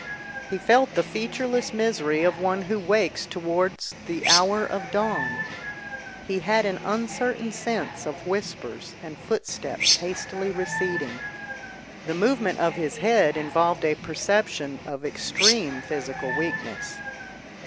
He felt the featureless misery of one who wakes towards the hour of dawn. He had an uncertain sense of whispers and footsteps hastily receding. The movement of his head involved a perception of extreme physical weakness.